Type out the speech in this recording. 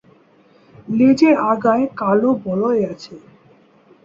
লেজের আগায় কালো বলয় আছে।